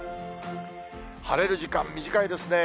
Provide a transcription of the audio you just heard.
晴れる時間、短いですね。